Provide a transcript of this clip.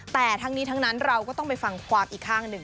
แต่ทั้งนี้ทั้งนั้นเราก็ต้องไปฟังความอีกข้างหนึ่ง